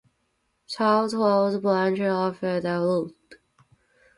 Side trails branch off the loop.